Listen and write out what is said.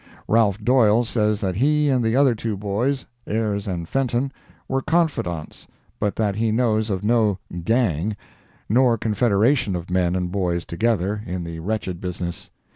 Ralph Doyle says that he and the other two boys, Ayres and Fenton, were "confidants," but that he knows of no "gang," nor confederation of men and boys together, in the wretched business.